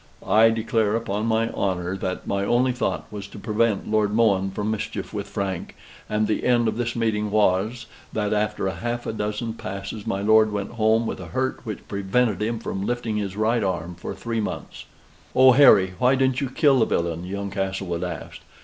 I declare upon my honor that my only thought was to prevent Lord Mohun from mischief with Frank, and the end of this meeting was, that after half a dozen passes my lord went home with a hurt which prevented him from lifting his right arm for three months. "Oh, Harry! why didn't you kill the villain?" young Castlewood asked.